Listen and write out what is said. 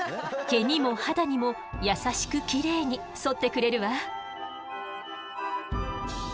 毛にも肌にも優しくきれいにそってくれるわ。